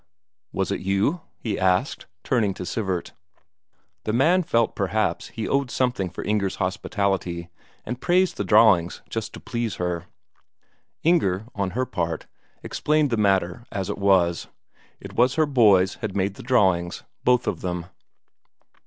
"Was it you?" he asked, turning to Sivert. The man felt, perhaps, he owed something for Inger's hospitality, and praised the drawings just to please her. Inger, on her part, explained the matter as it was: it was her boys had made the drawings both of them.